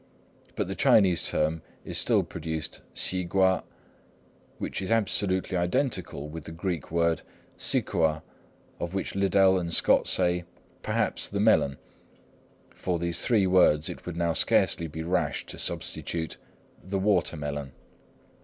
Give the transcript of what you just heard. But the Chinese term is still pronounced si kua, which is absolutely identical with the Greek word σικύα, of which Liddell and Scott say, "perhaps the melon." For these three words it would now scarcely be rash to substitute "the watermelon."